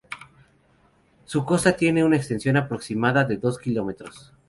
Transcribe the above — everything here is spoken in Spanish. Su costa tiene una extensión aproximada de dos kilómetros.